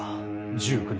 １９日。